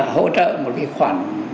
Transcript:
hỗ trợ một cái khoản